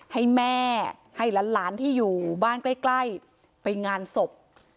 ให้แม่ให้หลานที่อยู่บ้านใกล้ไปงานศพ